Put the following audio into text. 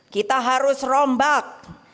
kita harus rombak